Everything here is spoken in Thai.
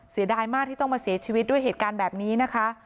เสียดายมากที่ต้องมาเสียชีวิตด้วยเหตุการณ์แบบนี้นะคะ